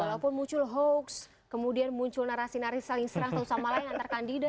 walaupun muncul hoax kemudian muncul narasi narasi saling serang satu sama lain antar kandidat